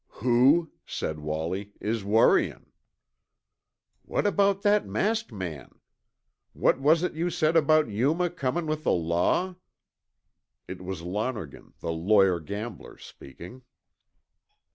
"Who," said Wallie, "is worrying?" "What about that masked man? What was it you said about Yuma comin' with the law?" It was Lonergan, the lawyer gambler, speaking.